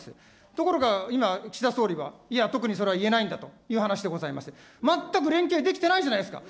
ところが今、岸田総理は、いや、特にそれは言えないんだという話でございまして、全く連携できてないじゃないですか。